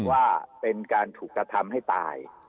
ว่าเป็นการถูกกระทำให้ตาย